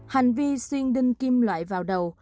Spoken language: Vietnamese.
hành vi xuyên đinh kim loại vào đầu